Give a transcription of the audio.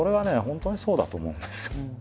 本当にそうだと思うんですよ。